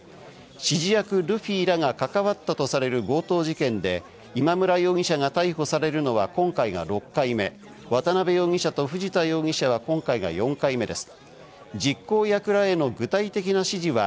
指示役・ルフィらが関わったとされる強盗事件で今村容疑者が逮捕されるのは今回が６回目、渡辺容疑者と藤田容疑者は今回が４回目です。